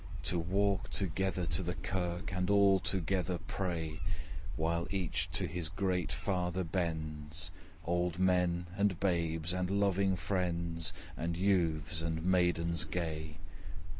To walk together to the kirk, And all together pray, While each to his great Father bends, Old men, and babes, and loving friends And youths and maidens gay!